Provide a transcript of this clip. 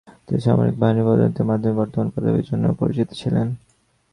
তিনি সামরিক বাহিনীর পদোন্নতির মাধ্যমে বর্ধমান পদবির জন্য পরিচিত ছিলেন।